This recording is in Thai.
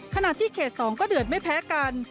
ขณะที่เขต๒ก็เดือดไม่แพ้กัน